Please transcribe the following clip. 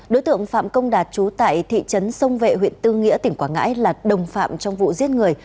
đối tượng phạm công đạt trú tại thị trấn sông vệ huyện tư nghĩa tỉnh quảng ngãi là đồng phạm trong vụ giết người